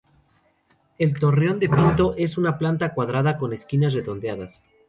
El torreón de Pinto es de planta cuadrada, con esquinas redondeadas.